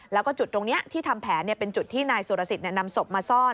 แล้วก็จุดตรงนี้ที่ทำแผนเป็นจุดที่นายสุรสิทธิ์นำศพมาซ่อน